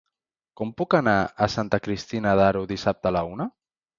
Com puc anar a Santa Cristina d'Aro dissabte a la una?